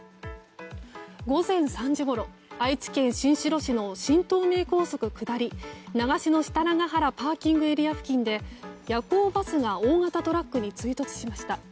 午前３時ごろ愛知県新城市の新東名高速下り長篠設楽原ＰＡ付近で夜行バスが大型トラックに追突しました。